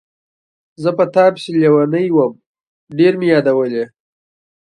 زه په تا پسې لیونی وم، ډېر مې یادولې.